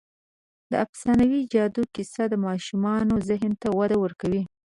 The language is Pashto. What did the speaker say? د افسانوي جادو کیسه د ماشومانو ذهن ته وده ورکوي.